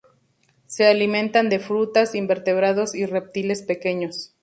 Se alimentan de frutas, invertebrados y reptiles pequeños.